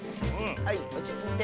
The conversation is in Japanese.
はいおちついて。